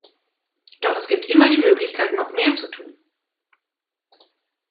Doch es gibt immer die Möglichkeit, noch mehr zu tun.